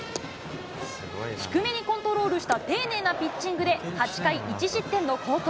低めにコントロールした丁寧なピッチングで８回１失点の好投。